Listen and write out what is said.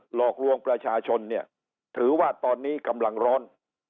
หลอกลวงประชาชนเนี่ยถือว่าตอนนี้กำลังร้อน